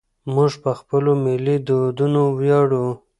موږ په خپلو ملي دودونو ویاړو.